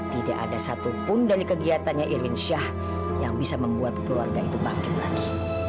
tidak ada satupun dari kegiatannya irwin syah yang bisa membuat keluarga itu bangkit lagi